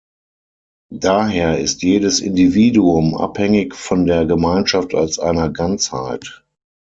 Daher ist jedes Individuum abhängig von der Gemeinschaft als einer Ganzheit.